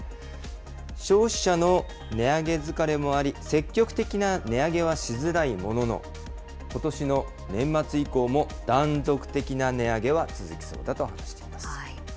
消費者の値上げ疲れもあり、積極的な値上げはしづらいものの、ことしの年末以降も断続的な値上げは続きそうだと話しています。